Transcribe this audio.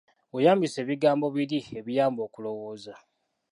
Weeyambise ebigambo biri ebiyamba okulowooza.